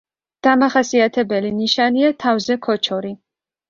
დამახასიათებელი ნიშანია თავზე ქოჩორი.